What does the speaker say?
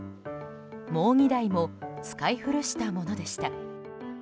もう２台も使い古したものでした。